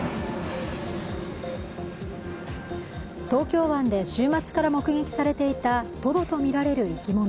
東京湾で週末から目撃されていたトドと見られる生き物。